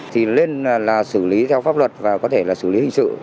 thì lên là xử lý theo pháp luật và có thể là xử lý hình sự